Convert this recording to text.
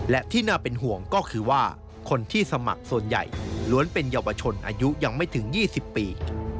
และที่น่าเป็นห่วงก็คือว่าคนที่สมัครส่วนใหญ่ล้วนเป็นเยาวชนอายุยังไม่ถึง๒๐ปี